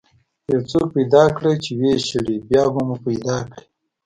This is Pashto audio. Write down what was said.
یو څوک پیدا کړه چې ويې شړي، بیا به مو پیدا کړي.